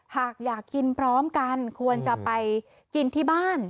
หากอยากกินพร้อมกันควรจะไปกินที่บ้าน